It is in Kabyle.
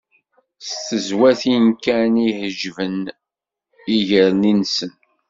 S tezwatin kan i d-ḥeǧben iger-nni-nsen.